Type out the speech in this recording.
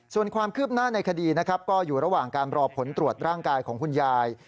ส่วนความคืบหน้าในคดีนะครับก็อยู่ระหว่างการรอผลตรวจร่างกายของคุณยาย